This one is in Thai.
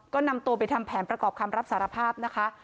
ก็นำตัวไปทำแผนประกอบคำรับสารภาพนะคะ